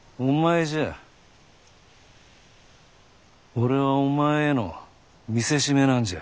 俺はお前への見せしめなんじゃ。